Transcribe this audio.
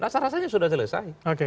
rasa rasanya sudah selesai